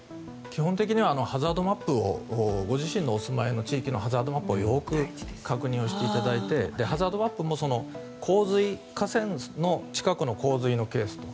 基本的にはご自身のお住まいの地域のハザードマップをよく確認していただいてハザードマップも河川の近くの洪水のケース